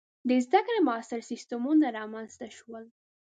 • د زده کړې معاصر سیستمونه رامنځته شول.